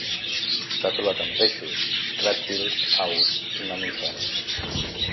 S'ha trobat en peixos, rèptils, aus i mamífers.